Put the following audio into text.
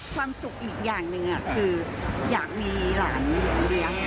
ความสุขอีกอย่างหนึ่งอะคืออยากมีหลานอยู่แล้ว